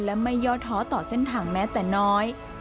และไม่ย่อท้อต่อเส้นทางแม้แต่น้อย